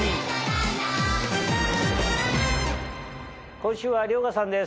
今週は遼河さんです